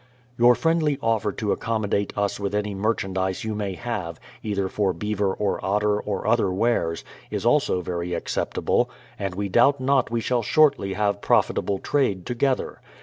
Your friendly offer to accommodate us with any merchandise you may have, either for beaver or otter or other wares, is also very acceptable, and we doubt not we shall shortly have profitable trade together.